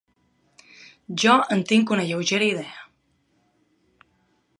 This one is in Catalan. Jo en tinc una lleugera idea.